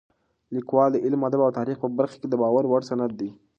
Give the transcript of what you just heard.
لیکوالی د علم، ادب او تاریخ په برخه کې د باور وړ سند دی.